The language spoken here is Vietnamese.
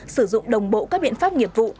sử dụng đồng bộ các biện pháp nghiệp vụ